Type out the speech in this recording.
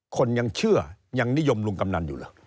คนยังเชื่อยังนิยมลุงกำนันอยู่เหรอ